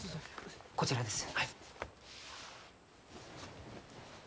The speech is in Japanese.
こちらです。